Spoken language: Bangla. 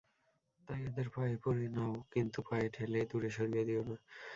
তাই, এদের পায়ে পরে নাও কিন্তু পায়ে ঠেলে দূরে সরিয়ে দিয়ো না।